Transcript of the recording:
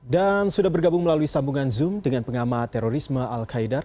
dan sudah bergabung melalui sambungan zoom dengan pengamah terorisme al qaidar